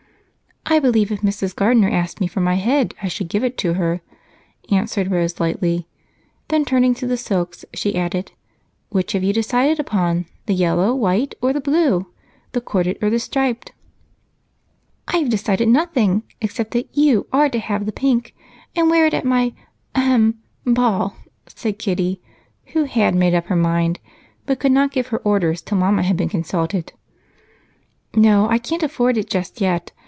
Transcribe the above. "I believe if Mrs. Gardener asked me for my head I should give it to her," answered Rose lightly, then, turning to the silks, she asked, "Which have you decided upon, the yellow white or the blue, the corded or the striped?" "I've decided nothing; except that you are to have the pink and wear it at my ahem! ball," said Kitty, who had made up her mind, but could not give her orders till Mama had been consulted. "No, I can't afford it just yet.